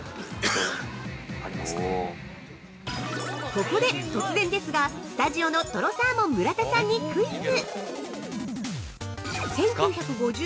◆ここで突然ですが、スタジオのとろサーモン村田さんにクイズ。